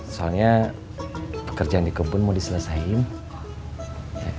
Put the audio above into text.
soalnya pekerjaan di kebun mau diselesaikan